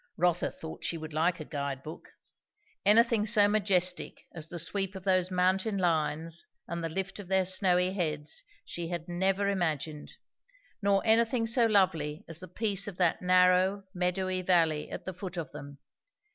Rotha thought she would like a guide book. Anything so majestic as the sweep of those mountain lines and the lift of their snowy heads, she had never imagined; nor anything so lovely as the peace of that narrow, meadowy valley at the foot of them.